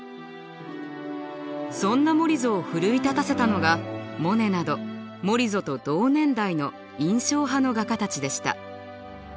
そんなモリゾを奮い立たせたのがモネなどモリゾと同年代の印象派の画家たちでした。